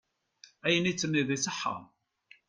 Ayen i d-tenniḍ iṣeḥḥa.